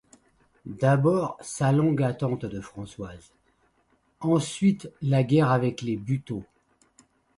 D’abord, sa longue attente de Françoise ; ensuite, la guerre avec les Buteau.